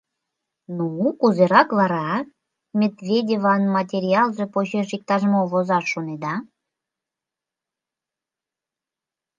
— Ну, кузерак вара, Медведеван материалже почеш иктаж-мом возаш шонеда?